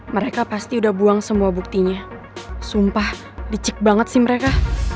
mereka pasti udah buang semua buktinya sumpah dicek banget sih mereka